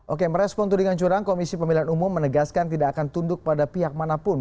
oke merespon tudingan curang komisi pemilihan umum menegaskan tidak akan tunduk pada pihak manapun